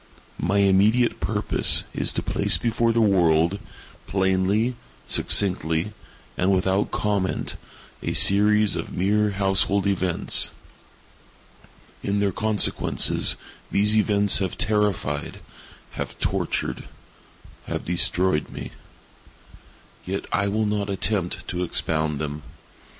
My immediate purpose is to place before the world, plainly, succinctly, and without comment, a series of mere household events. In their consequences, these events have terrified—have tortured—have destroyed me. Yet I will not attempt to expound them.